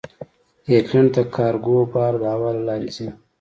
ایرلنډ ته کارګو بار د هوا له لارې ځي.